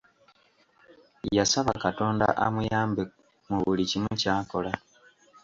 Yasaba katonda amuyambe mu buli kimu kyakola.